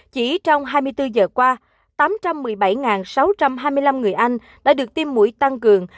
chỉ trong hai mươi bốn giờ qua tám trăm một mươi bảy sáu trăm hai mươi năm người anh đã được tiêm mũi tăng cường